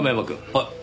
はい？